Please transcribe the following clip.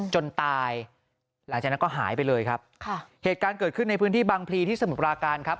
จนตายหลังจากนั้นก็หายไปเลยครับค่ะเหตุการณ์เกิดขึ้นในพื้นที่บางพลีที่สมุทรปราการครับ